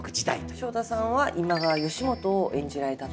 昇太さんは今川義元を演じられたと。